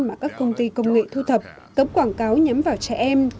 mà các công ty công nghệ thu thập cấm quảng cáo nhắm vào trẻ em